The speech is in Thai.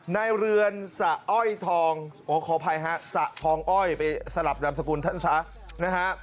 เรือนสะอ้อยทองอ๋อขออภัยฮะสะทองอ้อยไปสลับนามสกุลท่านซะนะฮะ